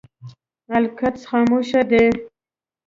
القدس خاموشه دی.